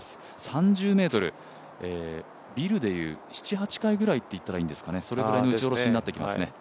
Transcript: ３０ｍ、ビルでいう７８階ぐらいといったらいいですかねそれぐらいの打ち下ろしになってきますね。